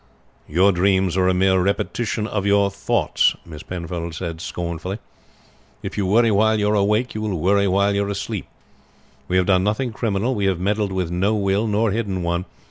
"Your dreams are a mere repetition of your thoughts," Miss Penfold said scornfully. "If you worry while you are awake, you will worry while you are asleep. We have done nothing criminal. We have meddled with no will, nor hidden one.